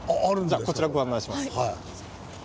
じゃこちらご案内します。